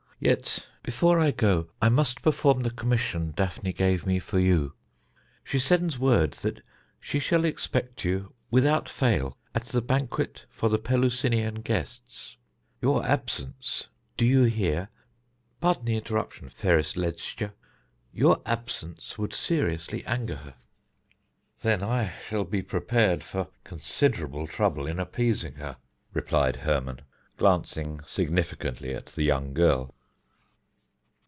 Yet before I go I must perform the commission Daphne gave me for you. She sends word that she shall expect you without fail at the banquet for the Pelusinian guests. Your absence, do you hear? pardon the interruption, fairest Ledscha your absence would seriously anger her." "Then I shall be prepared for considerable trouble in appeasing her," replied Hermon, glancing significantly at the young girl.